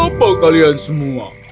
apa kalian semua